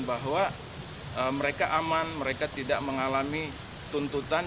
bahwa mereka aman mereka tidak mengalami tuntutan